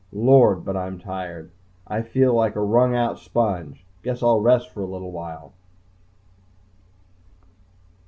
Lord! but I'm tired. I feel like a wrung out sponge. Guess I'll rest for a little while